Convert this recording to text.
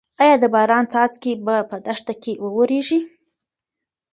ايا د باران څاڅکي به په دښته کې واوریږي؟